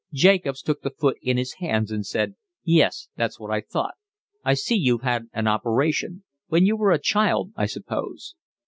Jacobs took the foot in his hands and said: "Yes, that's what I thought. I see you've had an operation. When you were a child, I suppose?"